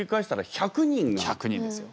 １００人ですよ。